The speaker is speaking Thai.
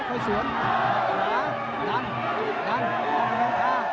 ออกไปข้างข้างเตรียมไม่ได้